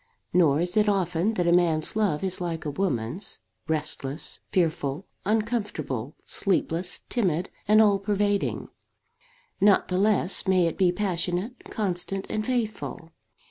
Nor is it often that a man's love is like a woman's, restless, fearful, uncomfortable, sleepless, timid, and all pervading. Not the less may it be passionate, constant, and faithful.